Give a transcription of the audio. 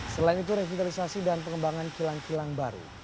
selain itu revitalisasi dan pengembangan kilang kilang baru